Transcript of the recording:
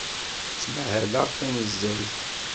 Ttmahaleɣ tanezzayt.